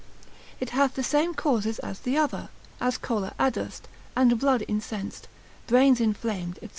It hath the same causes as the other, as choler adust, and blood incensed, brains inflamed, &c.